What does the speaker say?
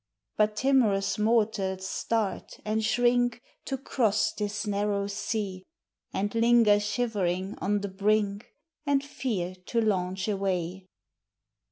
But timorous mortals start and shrink To cross this narrow sea, And linger shivering on the brink, And fear to launch away.